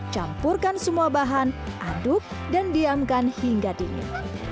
campurkan semua bahan aduk dan diamkan hingga dingin